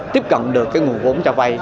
tiếp cận được cái nguồn vốn trao vay